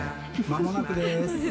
まもなくです。